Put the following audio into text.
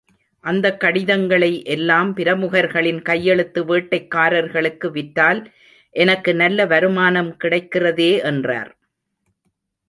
அந்தக் கடிதங்களை எல்லாம், பிரமுகர்களின் கையெழுத்து வேட்டைக்காரர்களுக்கு விற்றால் எனக்கு நல்ல வருமானம் கிடைக்கிறதே என்றார்.